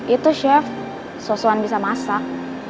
itu chef soswan bisa masak